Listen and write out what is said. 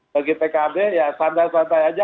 bagi pkb ya santai santai aja